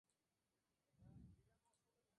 Dotado de excelentes reflejos, manos seguras.